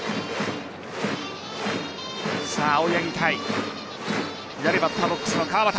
青柳対左バッターボックスの川端。